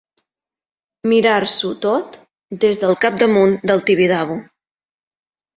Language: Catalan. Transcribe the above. Mirar-s'ho tot des del capdamunt del Tibidabo.